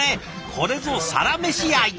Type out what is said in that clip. これぞサラメシ愛！